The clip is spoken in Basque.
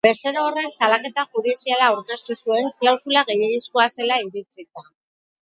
Bezero horrek salaketa judiziala aurkeztu zuen, klausula gehiegizkoa zela iritzita.